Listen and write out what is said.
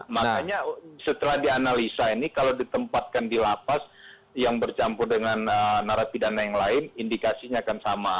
makanya setelah dianalisa ini kalau ditempatkan di lapas yang bercampur dengan narapidana yang lain indikasinya akan sama